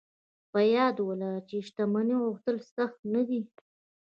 په یاد و لرئ چې د شتمنۍ غوښتل سخت نه دي